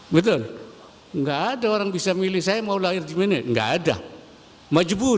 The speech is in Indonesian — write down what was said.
betul nggak ada orang bisa milih saya mau lahir di mana nggak ada maju buru